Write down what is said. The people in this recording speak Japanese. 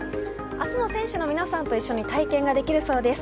明日も選手の皆さんと一緒に体験ができるそうです。